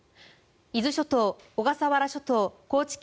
伊豆諸島、小笠原諸島、高知県